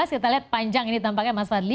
kita lihat panjang ini tampaknya mas fadli